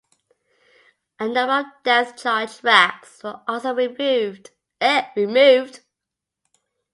A number of depth charge racks were also removed.